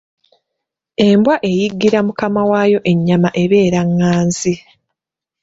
Embwa eyiggira Mukama waayo ennyama ebeera ղղanzi.